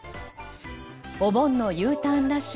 お盆のＵターンラッシュ